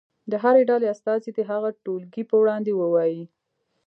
د هرې ډلې استازی دې هغه ټولګي په وړاندې ووایي.